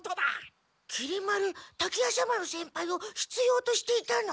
きり丸滝夜叉丸先輩をひつようとしていたの？